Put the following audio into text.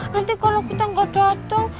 nanti kalau kita gak dateng